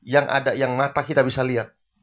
yang ada yang mata kita bisa lihat